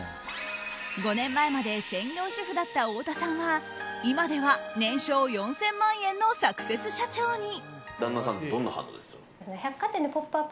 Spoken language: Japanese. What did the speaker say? ５年前まで専業主婦だった太田さんは今では年商４０００万円のサクセス社長に。